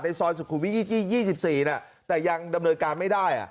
ในซอยสุขุวิทร์๒๔เนี่ยแต่ยังดำเนิดการณ์ไม่ได้